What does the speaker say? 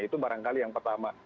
itu barangkali yang pertama